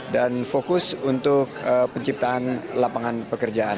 dan fokus untuk penciptaan lapangan pekerjaan